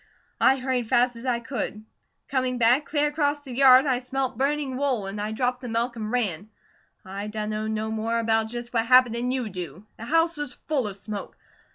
I hurried fast as I could. Coming back, clear acrost the yard I smelt burning wool, an' I dropped the milk an' ran. I dunno no more about just what happened 'an you do. The house was full of smoke.